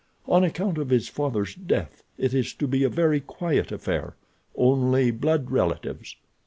On account of his father's death it is to be a very quiet affair—only blood relatives.